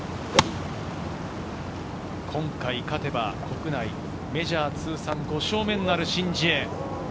今回勝てば、国内メジャー通算５勝目になる、シン・ジエ。